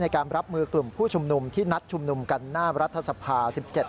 การรับมือกลุ่มผู้ชุมนุมที่นัดชุมนุมกันหน้ารัฐสภา๑๗